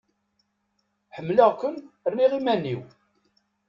Ḥemleɣ-ken, rniɣ iman-iw!